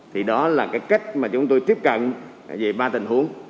thì đó là cái cách mà chúng tôi tiếp cận về ba tình huống